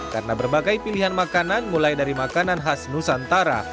karena berbagai pilihan makanan mulai dari makanan khas nusantara